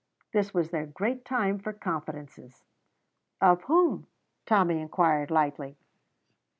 This was their great time for confidences. "Of whom?" Tommy inquired lightly.